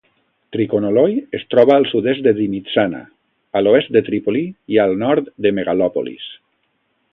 Trikolonoi es troba al sud-est de Dimitsana, a l'oest de Trípoli i al nord de Megalòpolis.